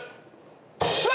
・うわ！